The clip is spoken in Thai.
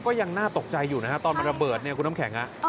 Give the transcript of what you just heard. ยังน่าตกใจอยู่นะฮะตอนมันระเบิดเนี่ยคุณน้ำแข็ง